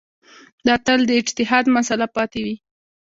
دا تل د اجتهاد مسأله پاتې وي.